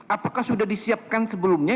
apakah sudah disiapkan sebelumnya